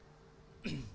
bisa ceritain mas